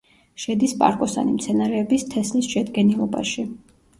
შედის პარკოსანი მცენარეების თესლის შედგენილობაში.